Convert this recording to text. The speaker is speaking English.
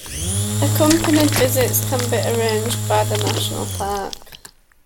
Accompanied visits can be arranged by the national Park.